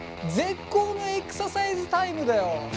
絶好のエクササイズタイムだよ！